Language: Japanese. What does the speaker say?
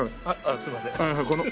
ああすみません。